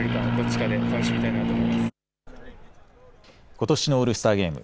ことしのオールスターゲーム。